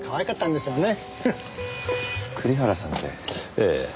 ええ。